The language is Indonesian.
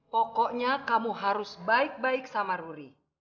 pokoknya kamu harus baik baik sama ruri